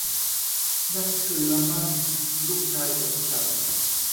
นั่นคือละมั่งลูกชายของฉัน